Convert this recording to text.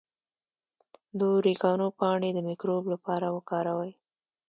د اوریګانو پاڼې د مکروب لپاره وکاروئ